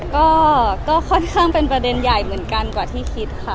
ก็ค่อนข้างเป็นประเด็นใหญ่เหมือนกันกว่าที่คิดค่ะ